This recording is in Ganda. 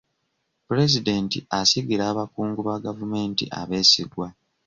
Pulezidenti asigira abakungu ba gavumenti abeesigwa.